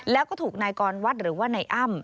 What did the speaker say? แล้วก็ถูกนายกรวัดหรือว่านายอ้ำ